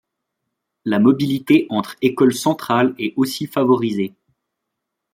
La mobilité entre Écoles Centrale est aussi favorisée.